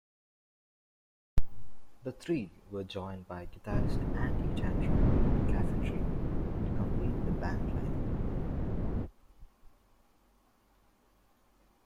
The three were joined by guitarist Andy 'Tantrum' McCafferty to complete the band line-up.